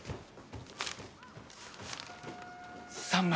３枚。